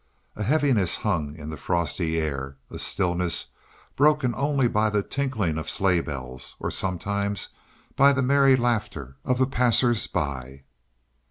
A heaviness hung in the frosty air a stillness broken only by the tinkling of sleigh bells or sometimes by the merry laughter of the passers by.